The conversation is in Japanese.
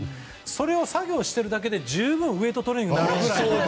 それを作業してるだけで十分ウェートトレーニングになるぐらい。